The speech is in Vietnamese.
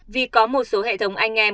vì có một số hệ thống anh em